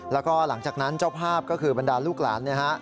แล้วก็หลังจากนั้นเจ้าภาพก็คือบรรดาลูกหลานเนี่ยฮะ